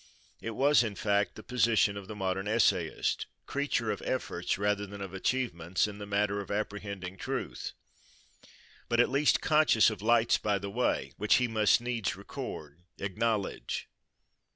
It was in fact the position of the modern essayist,—creature of efforts rather than of achievements, in the matter of apprehending truth, but at least conscious of lights by the way, which he must needs record, acknowledge.